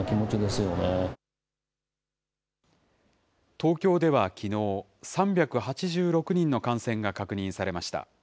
東京ではきのう、３８６人の感染が確認されました。